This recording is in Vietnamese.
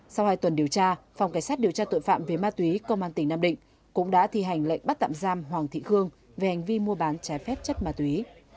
sau hai tuần điều tra phòng cảnh sát điều tra tội phạm về ma túy công an tỉnh nam định cũng đã thi hành lệnh bắt tạm giam hoàng thị khương về hành vi mua bán trái phép chất ma túy